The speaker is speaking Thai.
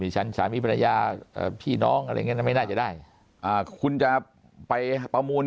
ฉันสามีภรรยาพี่น้องอะไรอย่างเงี้นะไม่น่าจะได้คุณจะไปประมูล